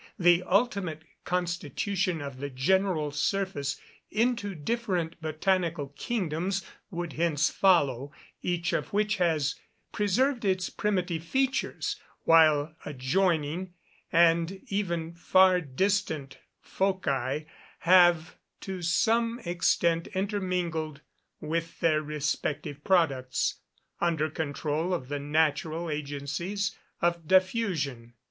The ultimate constitution of the general surface into different botanical kingdoms would hence follow, each of which has preserved its primitive features, while adjoining, and even far distant foci, have to some extent intermingled their respective products, under control of the natural agencies of diffusion.